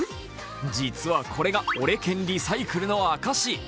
実はこれが折れ剣リサイクルの証し。